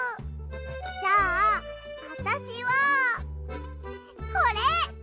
じゃああたしはこれ！